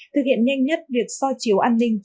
thực hiện nhanh nhất việc so chiếu an ninh